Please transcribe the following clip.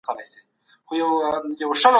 سیاسي ګډون د پرمختګ نښه ده.